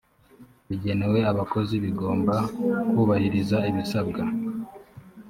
bigenewe abakozi bigomba kubahiriza ibisabwa